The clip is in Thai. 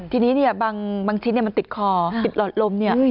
ทีนี้เนี่ยบางชิ้นมันติดคอติดหลอดลมเนี่ย